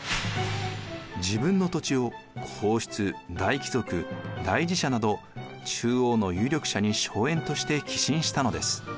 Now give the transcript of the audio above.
自分の土地を皇室・大貴族大寺社など中央の有力者に荘園として寄進したのです。